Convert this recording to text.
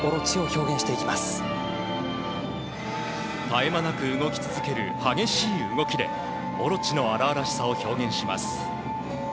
絶え間なく動き続ける激しい動きでオロチの荒々しさを表現します。